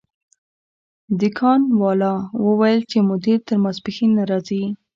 دکان والا وویل چې مدیر تر ماسپښین نه راځي.